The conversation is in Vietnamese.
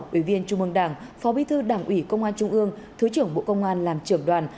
ủy viên trung ương đảng phó bí thư đảng ủy công an trung ương thứ trưởng bộ công an làm trưởng đoàn